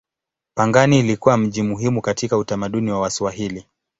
Pangani ilikuwa mji muhimu katika utamaduni wa Waswahili.